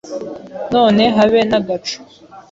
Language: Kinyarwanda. None habe n’agacu